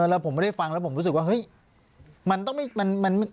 แล้วผมไม่ได้ฟังแล้วผมรู้สึกว่าเฮ้ยมันต้องไม่มัน